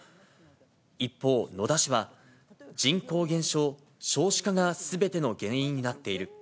一方、野田氏は、人口減少・少子化がすべての原因になっている。